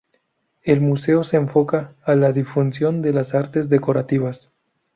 El museo se enfoca a la difusión de las artes decorativas.